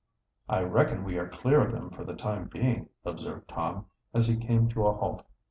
"I reckon we are clear of them for the time being," observed Tom, as he came to a halt.